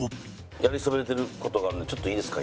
やりそびれている事があるのでちょっといいですか？